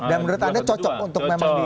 dan menurut anda cocok untuk memang